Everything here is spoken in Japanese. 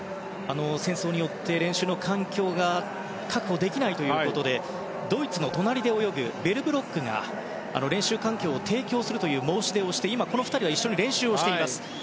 戦争によって練習環境が確保できないということで隣で泳ぐドイツのベルブロックが練習環境を提供するという申し出をして、この２人は一緒に練習しています。